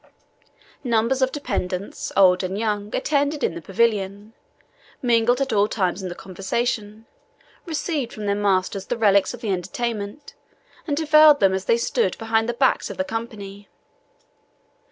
Numbers of dependants, old and young, attended in the pavilion, mingled at times in the conversation, received from their masters the relics of the entertainment, and devoured them as they stood behind the backs of the company.